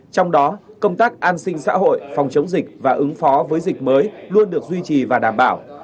trong đó công tác an sinh xã hội phòng chống dịch và ứng phó với dịch mới luôn được duy trì và đảm bảo